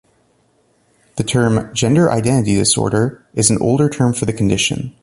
The term "gender identity disorder" is an older term for the condition.